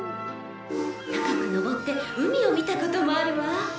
高く上って海を見たこともあるわ。